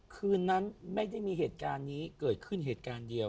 คืนนั้นไม่ได้มีเหตุการณ์นี้เกิดขึ้นเหตุการณ์เดียว